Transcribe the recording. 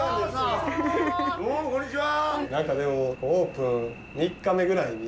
どうもこんにちは！